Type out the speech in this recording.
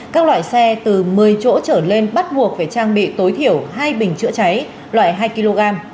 các loại xe từ một mươi chỗ trở lên bắt buộc phải trang bị tối thiểu hai bình chữa cháy loại hai kg